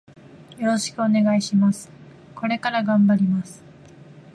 よろしくお願いします。これから頑張ります。